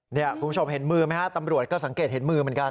คุณผู้ชมเห็นมือไหมฮะตำรวจก็สังเกตเห็นมือเหมือนกัน